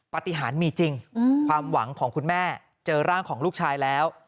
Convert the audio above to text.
ปฏิหารมีจริงความหวังของคุณแม่เจอร่างของลูกชายแล้ว